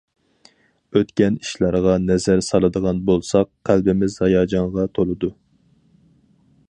ئۆتكەن ئىشلارغا نەزەر سالىدىغان بولساق، قەلبىمىز ھاياجانغا تولىدۇ.